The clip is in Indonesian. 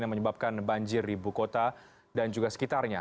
yang menyebabkan banjir di bukota dan juga sekitarnya